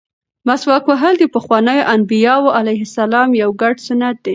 مسواک وهل د پخوانیو انبیاوو علیهم السلام یو ګډ سنت دی.